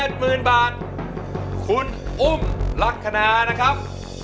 กดงามนั่วมีก๋อด์การนะครับ